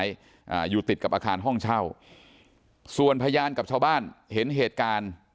อ่าอยู่ติดกับอาคารห้องเช่าส่วนพยานกับชาวบ้านเห็นเหตุการณ์